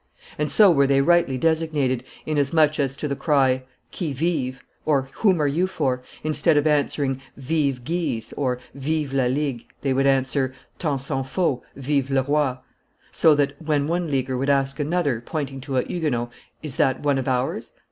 And so were they rightly designated, inasmuch as to the cry, 'Qui vive?' (Whom are you for?) instead of answering 'Vive Guise!' or 'Vive la Ligue!' they would answer, 'Tant s'en fault, vive le Roi!' So that, when one Leaguer would ask another, pointing to a Huguenot, 'Is that one of ours?